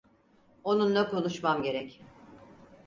Onunla konuşmam gerek.